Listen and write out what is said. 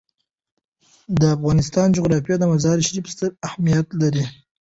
د افغانستان جغرافیه کې مزارشریف ستر اهمیت لري.